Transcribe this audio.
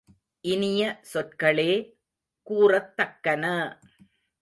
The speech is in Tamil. இனிய சொற்களே கூறத்தக்கன!